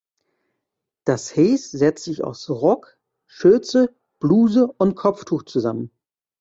Das Häs setzt sich aus Rock, Schürze, Bluse und Kopftuch zusammen.